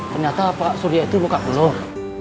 ternyata pak surya itu lo kak belor